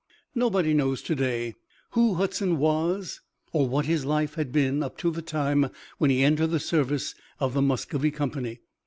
Nobody knows to day who Hudson was or what his life had been up to the time when he entered the service of the Muscovy Company.